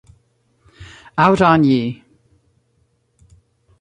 Out on ye!